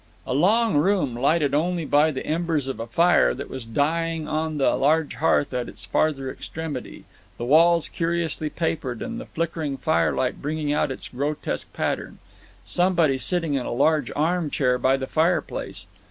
A long room lighted only by the embers of a fire that was dying on the large hearth at its farther extremity; the walls curiously papered, and the flickering firelight bringing out its grotesque pattern; somebody sitting in a large armchair by the fireplace.